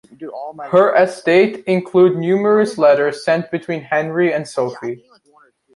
Her estate included numerous letters sent between Henri and Sophie.